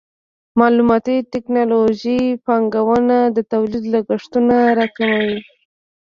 د معلوماتي ټکنالوژۍ پانګونه د تولید لګښتونه راکموي.